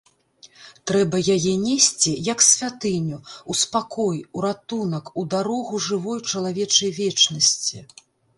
Трэба яе несці, як святыню, у спакой, у ратунак, у дарогу жывой чалавечай вечнасці.